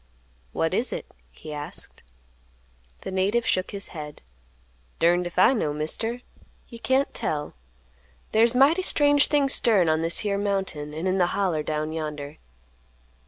"What is it?" he asked. The native shook his head. "Durned if I know, Mister. You can't tell. There's mighty strange things stirrin' on this here mountain, an' in the Holler down yonder.